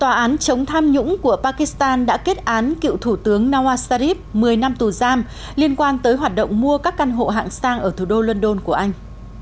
tòa án chống tham nhũng của pakistan đã kết án cựu thủ tướng nawa sharif một mươi năm tù giam liên quan tới hoạt động mua các căn hộ hạng sang ở thủ đô london của anh